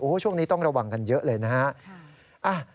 ช่วงนี้ต้องระวังกันเยอะเลยนะฮะ